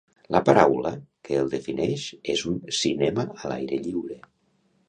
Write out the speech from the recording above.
La paraula que el defineix és un cinema a l'aire lliure.